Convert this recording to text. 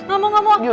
gak mau gak mau